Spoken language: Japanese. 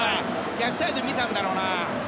逆サイドを見たんだろうな。